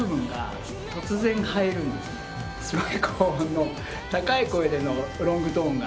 すごい高音の高い声でのロングトーンが。